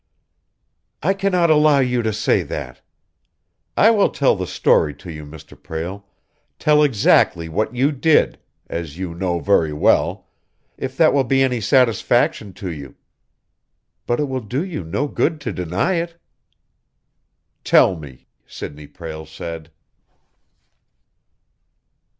"I cannot allow you to say that. I will tell the story to you, Mr. Prale, tell exactly what you did as you know very well if that will be any satisfaction to you. But it will do you no good to deny it!" "Tell me!" Sidney Prale said.